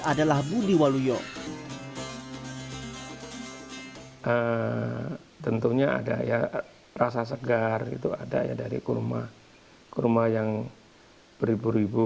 adalah budi waluyo tentunya ada ya rasa segar itu ada ya dari kurma kurma yang beribu ribu